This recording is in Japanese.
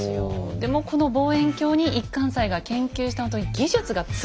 でもこの望遠鏡に一貫斎が研究したほんとに技術が詰まってるんですよね。